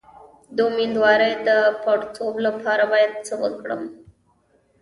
د امیدوارۍ د پړسوب لپاره باید څه وکړم؟